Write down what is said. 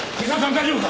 大丈夫か？